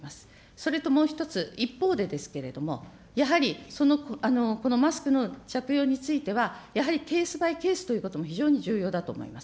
それともう一つ、一方でですけれども、やはりこのマスクの着用については、やはりケースバイケースということも非常に重要だと思います。